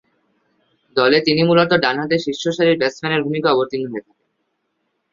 দলে তিনি মূলতঃ ডানহাতে শীর্ষসারির ব্যাটসম্যানের ভূমিকায় অবতীর্ণ হয়ে থাকেন।